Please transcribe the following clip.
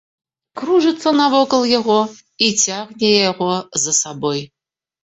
Кружыцца навокал яго і цягне яго за сабой.